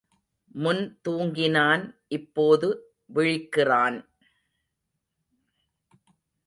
முன்பு தூங்கினான் இப்போது விழிக்கிறான்?